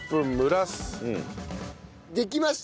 できました。